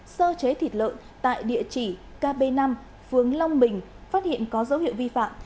sơ chế thịt lợn tại địa chỉ kb năm phương long bình phát hiện có dấu hiệu vi phạm